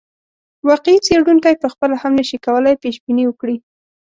واقعي څېړونکی پخپله هم نه شي کولای پیشبیني وکړي.